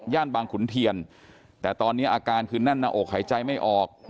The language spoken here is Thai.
บางขุนเทียนแต่ตอนนี้อาการคือแน่นหน้าอกหายใจไม่ออก